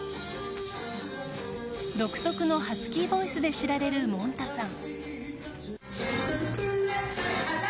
独特のハスキーボイスで知られるもんたさん。